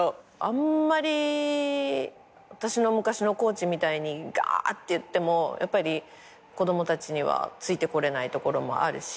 あんまり私の昔のコーチみたいにがーって言ってもやっぱり子供たちにはついてこれないところもあるし